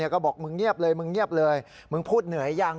ก็บอกมึงเงียบเลยมึงพูดเหนื่อยยัง